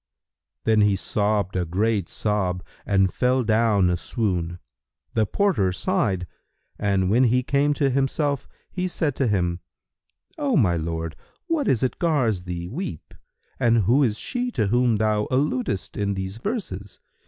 Then he sobbed a great sob and fell down a swoon. The porter sighed, and when he came to himself, he said to him, "O my lord, what is it gars thee weep and who is she to whom thou alludest in these verses?